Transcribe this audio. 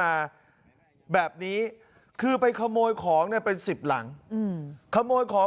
มาแบบนี้คือไปขโมยของเนี่ยเป็นสิบหลังขโมยของ